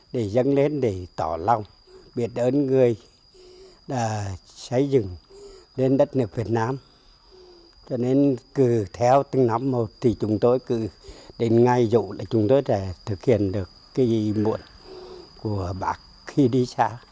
đơn người đã xây dựng lên đất nước việt nam cho nên cứ theo từng năm một thì chúng tôi cứ đến ngay dụ là chúng tôi đã thực hiện được cái muộn của bác khi đi xa